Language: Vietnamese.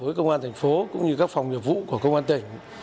với công an thành phố cũng như các phòng nghiệp vụ của công an tỉnh